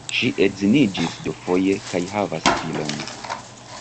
Ŝi edziniĝis dufoje kaj havas filon.